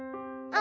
「あ！」